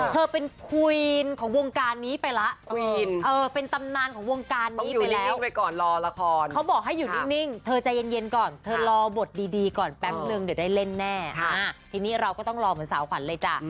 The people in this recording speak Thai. ก็ต้องรอเหมือนสาวขวัญเลยจ้ะ